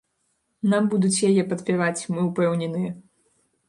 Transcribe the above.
Нам будуць яе падпяваць, мы упэўненыя.